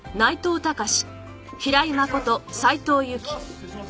失礼します！